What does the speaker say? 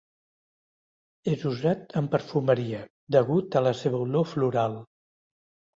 És usat en perfumeria, degut a la seva olor floral.